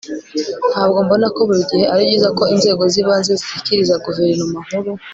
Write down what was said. Ntabwo mbona ko buri gihe ari byiza ko inzego zibanze zishyikiriza guverinoma nkuru